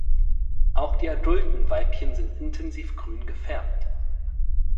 Auch die adulten Weibchen sind intensiv grün gefärbt.